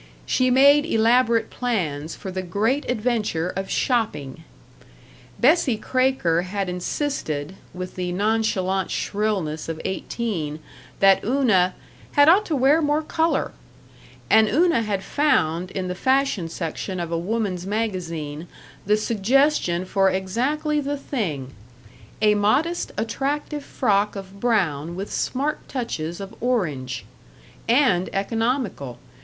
She made elaborate plans for the great adventure of shopping. Bessie Kraker had insisted, with the nonchalant shrillness of eighteen, that Una "had ought to wear more color"; and Una had found, in the fashion section of a woman's magazine, the suggestion for exactly the thing "a modest, attractive frock of brown, with smart touches of orange" and economical.